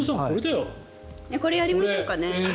これやりましょうかね。